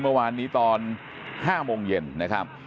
เมื่อวานนี้ตอน๕โมงเย็นนะครับ